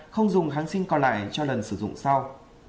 không dùng kháng sinh còn lại cho lần sử dụng sau